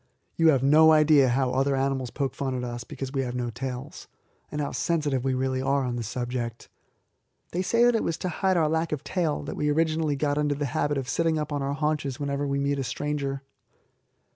You have no idea how other animals poke fun at us because we have no tails, and how sensitive we really are on the subject. They say that it was to hide our lack of tail that we originally got into the habit of sitting up on our haunches whenever we meet a stranger.